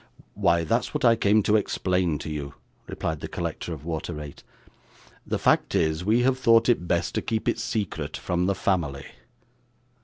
'Why, that's what I came to explain to you,' replied the collector of water rate. 'The fact is, we have thought it best to keep it secret from the family.